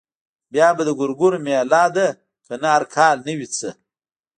بيا د ګورګورو مېله ده کنه هر کال نه وي څه.